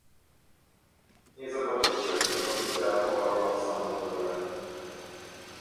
Nie zobaczycie, by Komisja popadła w samozadowolenie